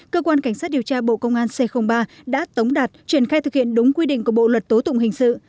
cơ quan cảnh sát điều tra bộ công an c ba đã tống đạt triển khai thực hiện đúng quy định của bộ luật tố tụng hình sự